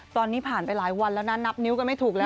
ตอนนี้ผ่านไปหลายวันแล้วนะนับนิ้วกันไม่ถูกแล้ว